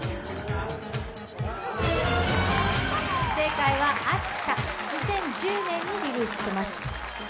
正解は、あった２０１０年にリリースしています。